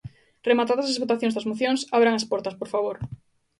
Rematadas as votacións das mocións, abran as portas, por favor.